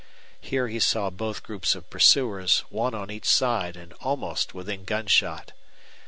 Here he saw both groups of pursuers, one on each side and almost within gun shot.